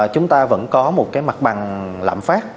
chúng ta vẫn có một cái mặt bằng lạm phát